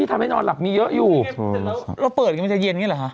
ทำให้นอนหลับมีเยอะอยู่เราเปิดไงมันจะเย็นอย่างนี้เหรอฮะ